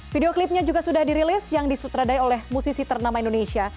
video klipnya juga sudah dirilis yang disutradai oleh musisi ternama indonesia